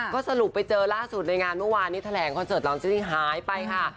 ก็สรุปไปเจอล่าสุดในงานเมื่อวานนี้แถลงคอนเสิร์ตน้องเจอรี่หายไปค่ะ